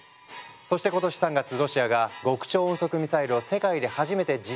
そして今年３月ロシアが極超音速ミサイルを世界で初めて実戦で使用。